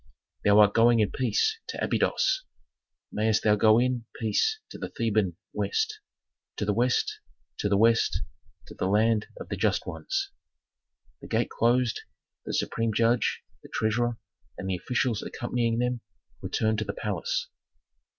"Thou art going in peace to Abydos! Mayst thou go in peace to the Theban West. To the West, to the West, to the land of the just ones!" The gate closed, the supreme judge, the treasurer, and the officials accompanying them returned to the palace.